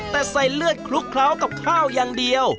แต่ใส่เลือดคลุกเคล้ากับข้าวอย่างเดียว